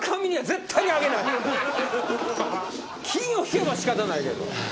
金を引けば仕方ないけど。